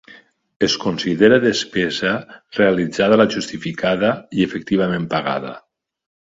Es considera despesa realitzada la justificada i efectivament pagada.